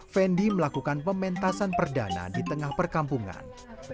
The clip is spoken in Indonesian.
fendi melakukan pementasan perdana di tengah perkampungan